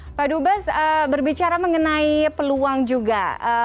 pak dubes berbicara mengenai peluang juga